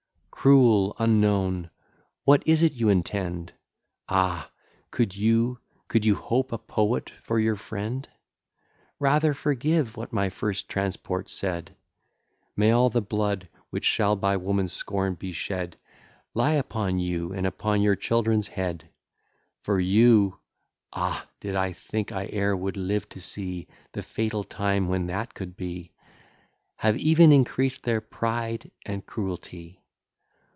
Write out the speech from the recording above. Cruel unknown! what is it you intend? Ah! could you, could you hope a poet for your friend! Rather forgive what my first transport said: May all the blood, which shall by woman's scorn be shed, Lie upon you and on your children's head! For you (ah! did I think I e'er should live to see The fatal time when that could be!) Have even increased their pride and cruelty.